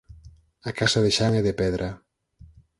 A casa de Xan é de pedra.